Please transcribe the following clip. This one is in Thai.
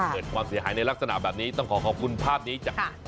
เกิดความเสียหายในลักษณะแบบนี้ต้องขอขอบคุณภาพนี้จาก